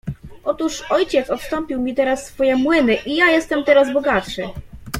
"Otóż ojciec odstąpił mi swoje młyny i ja jestem teraz bogatszy."